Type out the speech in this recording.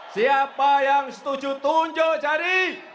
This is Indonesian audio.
siapa yang setuju tunjuk cari